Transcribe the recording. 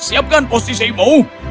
siapkan posisi mu